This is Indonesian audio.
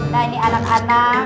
nah ini anak anak